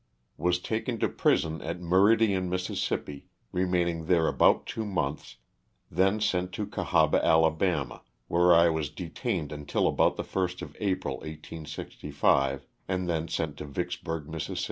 Was taken to prison at Meridian, Miss., remaining there about two months, thence sent to Cahaba, Ala., where I was detained until about the 1st of April, 1865, and then sent to Vicksburg, Miss.